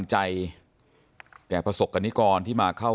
ท่านผู้ชมครับ